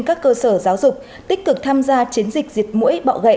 các cơ sở giáo dục tích cực tham gia chiến dịch diệt mũi bọ gậy